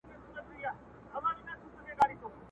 چي له ستوني دي آواز نه وي وتلی؛